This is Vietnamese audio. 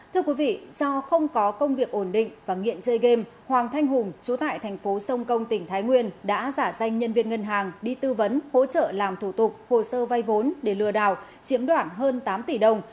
thưa quý vị do không có công việc ổn định và nghiện chơi game hoàng thanh hùng chú tại thành phố sông công tỉnh thái nguyên đã giả danh nhân viên ngân hàng đi tư vấn hỗ trợ làm thủ tục hồ sơ vay vốn để lừa đảo chiếm đoạt hơn tám tỷ đồng